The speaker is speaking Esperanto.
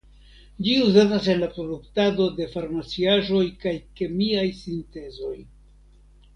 Ĝi uzatas en la produktado de farmarciaĵoj kaj kemiaj sintezoj.